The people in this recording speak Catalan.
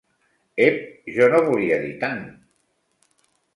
Ep!, jo no volia dir tant.